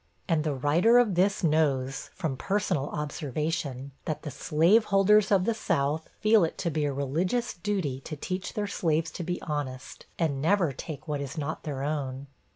And the writer of this knows, from personal observation, that the slaveholders of the South feel it to be a religious duty to teach their slaves to be honest, and never to take what is not their own!